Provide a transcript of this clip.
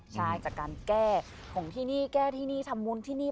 ใช่จากการแก้ของที่นี่แก้ที่นี่ทำมุนที่นี่